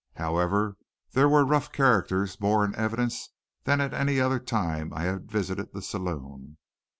However, there were rough characters more in evidence than at any other time I had visited the saloon.